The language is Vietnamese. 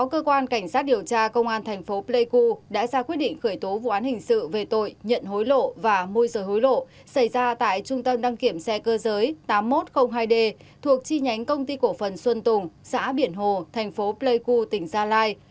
cơ quan cảnh sát điều tra công an thành phố pleiku đã ra quyết định khởi tố vụ án hình sự về tội nhận hối lộ và môi rời hối lộ xảy ra tại trung tâm đăng kiểm xe cơ giới tám nghìn một trăm linh hai d thuộc chi nhánh công ty cổ phần xuân tùng xã biển hồ thành phố pleiku tỉnh gia lai